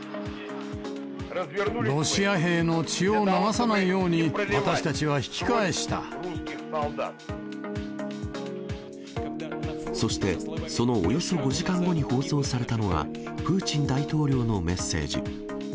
ロシア兵の血を流さないようそして、そのおよそ５時間後に放送されたのが、プーチン大統領のメッセージ。